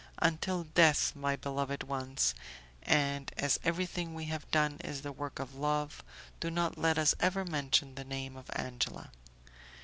"Until death, my beloved ones, and as everything we have done is the work of love, do not let us ever mention the name of Angela."